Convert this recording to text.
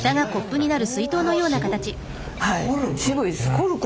コルク。